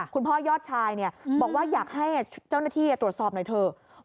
ยอดชายบอกว่าอยากให้เจ้าหน้าที่ตรวจสอบหน่อยเถอะ